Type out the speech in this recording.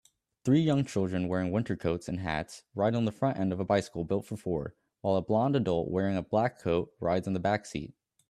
Three young children wearing winter coats and hats ride on the front end of a bicycle built for four while a blond adult wearing a black coat rides on the backseat